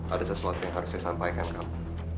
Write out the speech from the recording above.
ada sesuatu yang harus saya sampaikan kamu